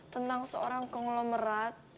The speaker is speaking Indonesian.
tentang seorang konglomerat